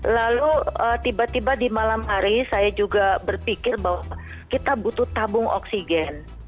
lalu tiba tiba di malam hari saya juga berpikir bahwa kita butuh tabung oksigen